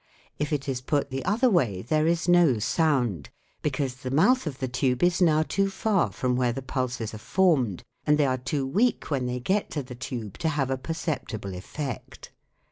. If it is put the other way there is no sound, because the mouth of the tube is now too far from where the pulses are formed, and they are too weak when they get to the tube to have a perceptible effect.